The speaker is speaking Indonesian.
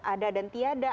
ada dan tidak ada